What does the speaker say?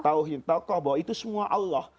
tauhidnya kokoh bahwa itu semua allah